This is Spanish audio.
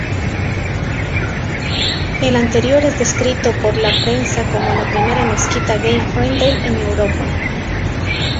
El anterior es descrito por la prensa como la primera mezquita gay-friendly en Europa.